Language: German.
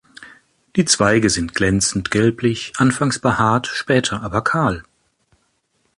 Die Zweige sind glänzend gelblich, anfangs behaart, später aber kahl.